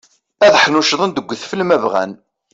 Ad ḥnuccḍen deg udfel ma bɣan.